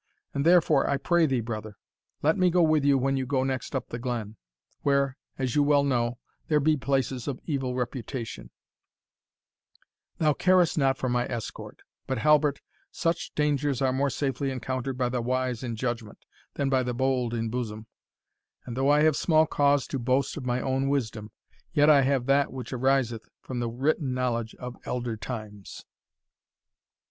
And therefore, I pray thee, brother, let me go with you when you go next up the glen, where, as you well know, there be places of evil reputation Thou carest not for my escort; but, Halbert, such dangers are more safely encountered by the wise in judgment, than by the bold in bosom; and though I have small cause to boast of my own wisdom, yet I have that which ariseth from the written knowledge of elder times."